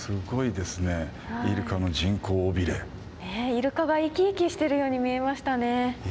イルカが生き生きしてるように見えましたね。